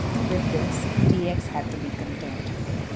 With this T. X. had to be content.